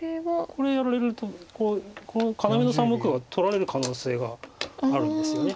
これやられるとこの要の３目が取られる可能性があるんですよね。